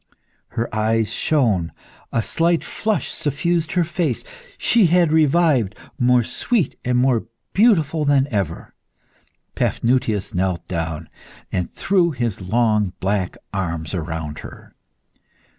Her eyes shone; a slight flush suffused her face. She had revived, more sweet and more beautiful than ever. Paphnutius knelt down, and threw his long black arms around her.